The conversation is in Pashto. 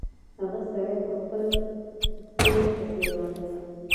هغه سړی په خپل پور پسې راغی.